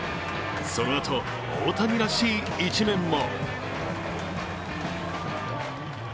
そのあと、大谷らしい一面も。